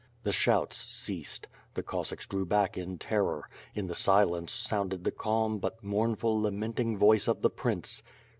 The shouts ceased; the Cossacks drew back in terror; in the silence sounded the calm, but mournful lamenting voice of the prince.